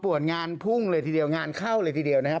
งานพุ่งเลยทีเดียวงานเข้าเลยทีเดียวนะครับ